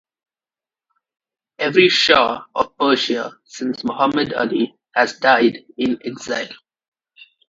Every Shah of Persia since Mohammad Ali has died in exile.